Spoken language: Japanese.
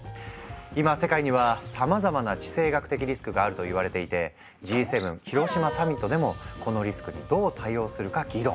今世界にはさまざまな地政学的リスクがあると言われていてＧ７広島サミットでもこのリスクにどう対応するか議論。